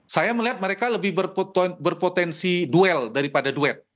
saya melihat mereka lebih berpotensi duel daripada duet